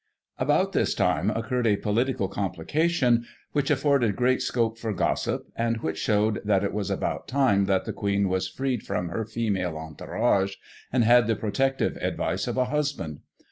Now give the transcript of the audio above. About this time occurred a political complication which afforded great scope for gossip, and which showed that it was about time that the Queen was freed from her female entourage, and had the protective advice of a husband.